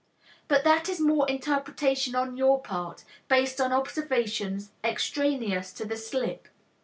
But that is mere interpretation on your part, based on observations extraneous to the slip.